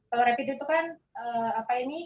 kalau rapid itu kan apa ini